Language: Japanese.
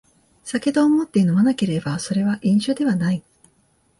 酒と思って飲まなければそれは飲酒ではない